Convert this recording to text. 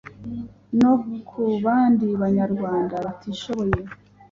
no ku bandi Banyarwanda batishoboye.